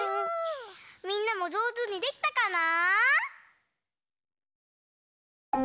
みんなもじょうずにできたかな？